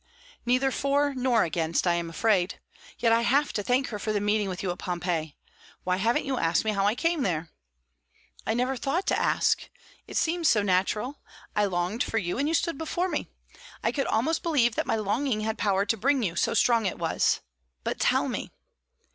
"Neither for nor against, I am afraid. Yet I have to thank her for the meeting with you at Pompeii. Why haven't you asked me how I came there?" "I never thought to ask. It seemed so natural. I longed for you, and you stood before me. I could almost believe that my longing had power to bring you, so strong it was. But tell me."